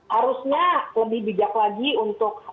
harusnya lebih bijak lagi untuk